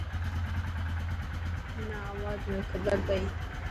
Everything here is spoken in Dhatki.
منان آواز ۾ کبر پئي.